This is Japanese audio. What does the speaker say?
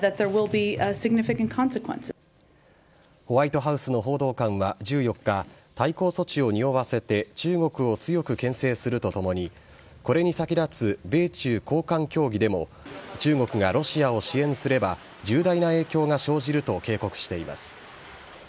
ホワイトハウスの報道官は１４日、対抗措置をにおわせて中国を強くけん制するとともに、これに先立つ米中高官協議でも、中国がロシアを支援すれば、重大な影響が生じると警告しています。